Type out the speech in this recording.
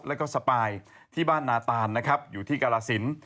แล้วก็สปายที่บ้านนาตานนะครับอยู่ที่กรสิน